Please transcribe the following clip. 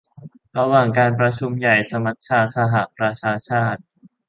ระหว่างการประชุมใหญ่สมัชชาสหประชาชาติ